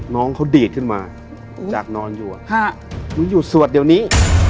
น้องเขาดีดขึ้นมาจากนอนอยู่มึงหยุดสวดเดี๋ยวนี้